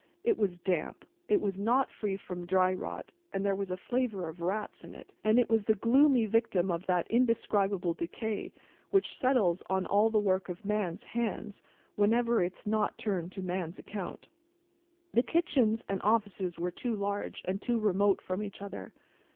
It was damp, it was not free from dry rot, there was a flavour of rats in it, and it was the gloomy victim of that indescribable decay which settles on all the work of man's hands whenever it's not turned to man's account. The kitchens and offices were too large, and too remote from each other.